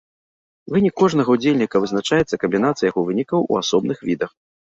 Вынік кожнага ўдзельніка вызначаецца камбінацыяй яго вынікаў у асобных відах.